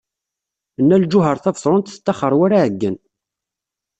Nna Lǧuheṛ Tabetṛunt tettaxer war aɛeyyen.